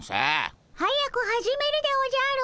早く始めるでおじゃる。